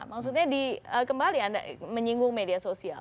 maksudnya kembali anda menyinggung media sosial